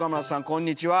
こんにちは。